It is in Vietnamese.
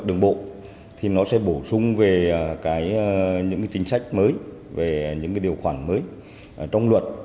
đường bộ thì nó sẽ bổ sung về những chính sách mới về những điều khoản mới trong luật